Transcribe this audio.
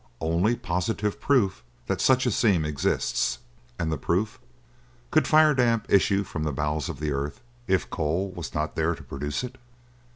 "Only positive proof that such a seam exists." "And the proof?" "Could fire damp issue from the bowels of the earth if coal was not there to produce it?"